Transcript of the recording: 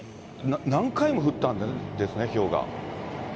何回も降ったんですね、ひょうが。